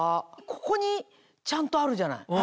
ここにちゃんとあるじゃない。